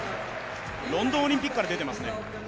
ロンドンオリンピックから出ていますね。